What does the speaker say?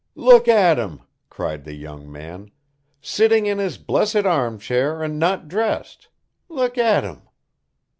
"Look at him!" cried the young man, "sitting in his blessed arm chair and not dressed. Look at him!"